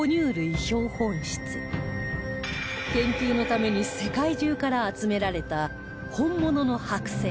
研究のために世界中から集められた本物の剥製